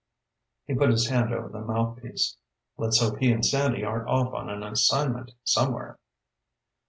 He put his hand over the mouthpiece. "Let's hope he and Sandy aren't off on an assignment somewhere."